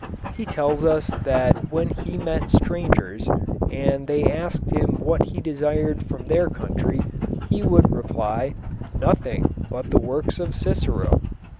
He tells us that when he met strangers, and they asked him what he desired from their country, he would reply, "Nothing, but the works of Cicero."